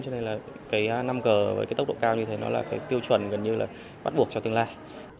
cho nên năm g với tốc độ cao như thế là tiêu chuẩn gần như bắt buộc cho tương lai